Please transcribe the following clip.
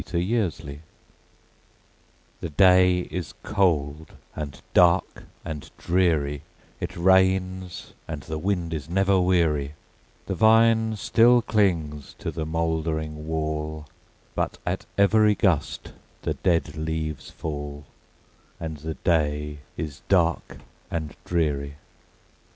THE RAINY DAY The day is cold, and dark, and dreary It rains, and the wind is never weary; The vine still clings to the mouldering wall, But at every gust the dead leaves fall, And the day is dark and dreary.